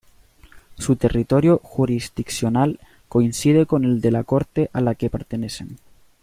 Su territorio jurisdiccional coincide con el de la Corte a la que pertenecen.